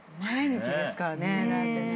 毎日ですからね。